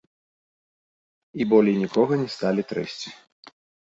І болей нікога не сталі трэсці.